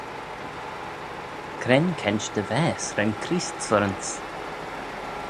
Cre'n keint dy vaase ren Creest surranse?